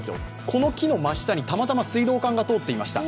この木の真下に、たまたま水道管が通っていました。